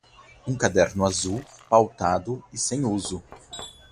Um caderno azul, pautado e sem uso.